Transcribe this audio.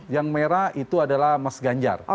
yang merah itu adalah mas ganjar